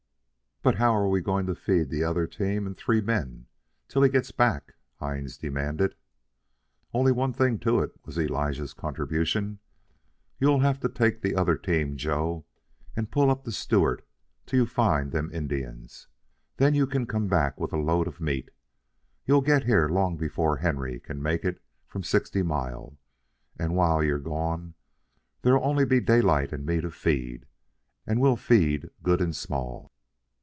"But how are we going to feed the other team and three men till he gets back?" Hines demanded. "Only one thing to it," was Elijah's contribution. "You'll have to take the other team, Joe, and pull up the Stewart till you find them Indians. Then you come back with a load of meat. You'll get here long before Henry can make it from Sixty Mile, and while you're gone there'll only be Daylight and me to feed, and we'll feed good and small."